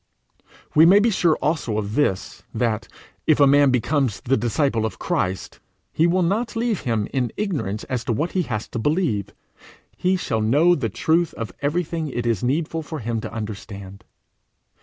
We may be sure also of this, that, if a man becomes the disciple of Christ, he will not leave him in ignorance as to what he has to believe; he shall know the truth of everything it is needful for him to understand.